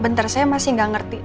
bentar saya masih nggak ngerti